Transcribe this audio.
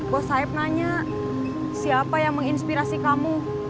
bos saib nanya siapa yang menginspirasi kamu